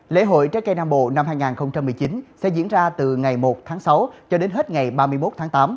lễ hội trái cây nam bộ năm hai nghìn một mươi chín sẽ diễn ra từ ngày một tháng sáu cho đến hết ngày ba mươi một tháng tám